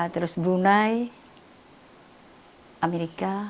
terus brunei amerika